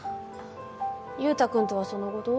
優太くんとはその後どう？